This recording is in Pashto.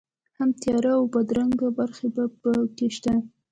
هم تیاره او بدرنګه برخې په کې شته.